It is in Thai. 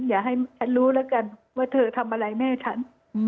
อย่าให้ฉันรู้แล้วกันว่าเธอทำอะไรแม่ฉัน